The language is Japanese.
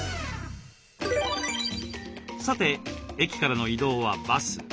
さて駅からの移動はバス。